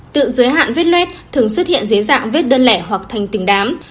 tự giới hạn vết luet thường xuất hiện dưới dạng vết đơn lẻ hoặc thành tình đám